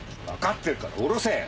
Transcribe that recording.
分かってるから下ろせ